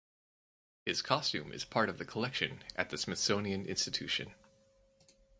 His costume is part of the collection at the Smithsonian Institution.